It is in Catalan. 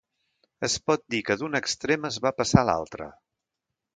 Es pot dir que d'un extrem es va passar a l'altre.